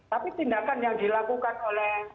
tapi tindakan yang dilakukan oleh